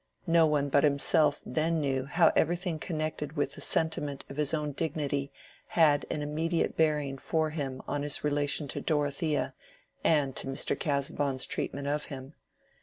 No one but himself then knew how everything connected with the sentiment of his own dignity had an immediate bearing for him on his relation to Dorothea and to Mr. Casaubon's treatment of him.